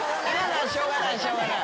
しょうがないしょうがない。